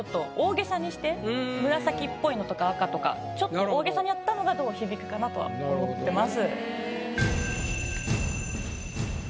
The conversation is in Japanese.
紫っぽいのとか赤とかちょっと大げさにやったのがどう響くかなとは思ってます。